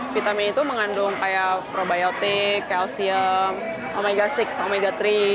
vitamin itu mengandung kayak probiotik kalsium omega enam omega tiga